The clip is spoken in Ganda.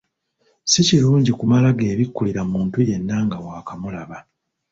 Si kirungi kumala “geebikkulira” muntu yenna nga waakamulaba!